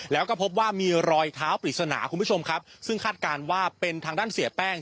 แล้วก็พบว่ามีรอยเท้าปริศนาคุณผู้ชมครับซึ่งคาดการณ์ว่าเป็นทางด้านเสียแป้ง